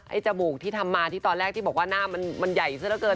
จมูกที่ทำมาที่ตอนแรกที่บอกว่าหน้ามันใหญ่ซะละเกิน